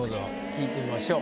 聞いてみましょう。